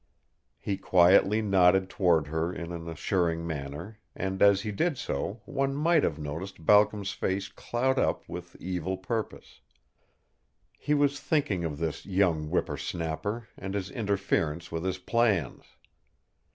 He quietly nodded toward her in an assuring manner, and as he did so one might have noticed Balcom's face cloud up with evil purpose. He was thinking of this young whipper snapper and his interference with his plans.